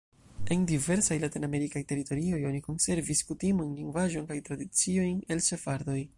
En diversaj latinamerikaj teritorioj oni konservis kutimojn, lingvaĵon kaj tradiciojn el sefardoj.